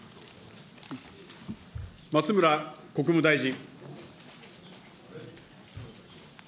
松村国務大臣。